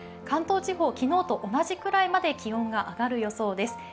関東地方、昨日と同じくらいまで気温が上がる予想です。